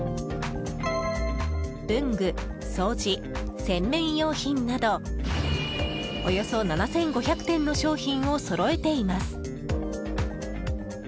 文具、掃除、洗面用品などおよそ７５００点の商品をそろえています。